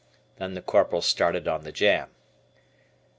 Then the Corporal started on the jam.